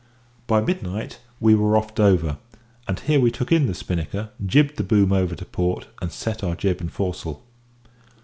By midnight we were off Dover, and here we took in the spinnaker, jibbed the boom over to port, and set our jib and foresail.